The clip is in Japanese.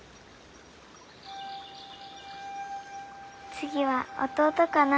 次は弟かな？